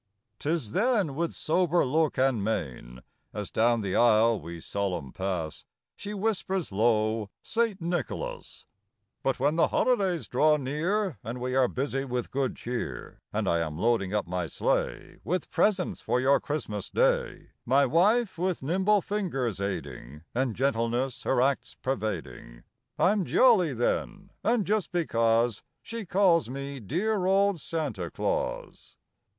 Tis then with sober look, and mein, As down the aisle we, solemn, pass, She whispers low, 'St. Nicholas.'" C ' S '^!' S > jn|B r*5v;'j ll 1 S I 1 1 1 1^*1 Copyrighted, 1897 lUT when the holidays draw near And we are busy with good cheer, And I am loading up my sleigh With presents for your Christmas Day, My wife with nimble fingers aiding, And gentleness her acts pervading, I'm jolly then, and just because She calls me 'dear old Santa Claus.